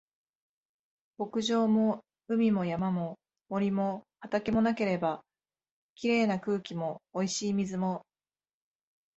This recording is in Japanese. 牧場も海も山も森も畑もなければ、綺麗な空気も美味しい水も